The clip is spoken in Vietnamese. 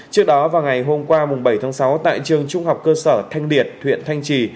trước đó vào ngày hôm qua bảy sáu tại trường trung học cơ sở thanh điệt huyện thanh trì